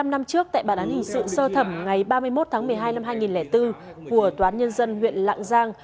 một mươi năm năm trước tại bản án hình sự sơ thẩm ngày ba mươi một tháng một mươi hai năm hai nghìn bốn của tòa án nhân dân huyện lạng giang